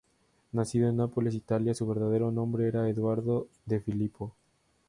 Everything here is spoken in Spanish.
Nacido en Nápoles, Italia, su verdadero nombre era Eduardo De Filippo.